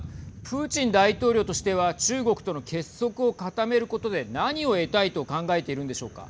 プーチン大統領としては中国との結束を固めることで何を得たいと考えているんでしょうか。